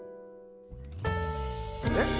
えっ？